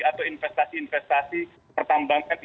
atau investasi investasi pertambangan